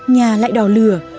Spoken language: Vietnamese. nhà lại đò lửa